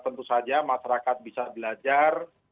masyarakat bisa belajar